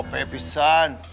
neng teh menikop ebisan